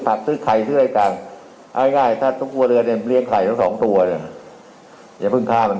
พอเนื้อหมูแพงต้องเลี้ยงหมูด้วยหรือเปล่า